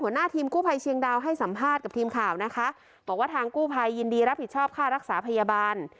หัวหน้าทีมกู้ภัยเชียงดาวให้สัมภาษณ์กับทีมข่าวนะคะบอกว่าทางกู้ภัยยินดีรับผิดชอบค่ารักษาพยาบาล